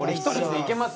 いけます。